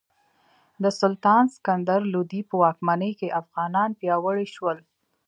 د سلطان سکندر لودي په واکمنۍ کې افغانان پیاوړي شول.